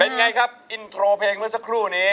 เป็นไงครับอินโทรเพลงของพวกเจ้านี้